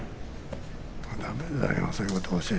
だめだよ